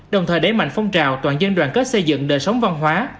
đồng thời đẩy mạnh phong trào toàn dân đoàn kết xây dựng đời sống văn hóa